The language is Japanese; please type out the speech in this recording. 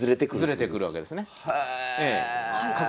ズレてくるわけですね。